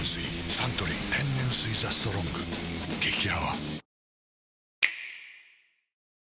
サントリー天然水「ＴＨＥＳＴＲＯＮＧ」激泡